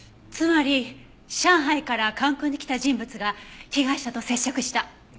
つまり上海から関空に来た人物が被害者と接触した。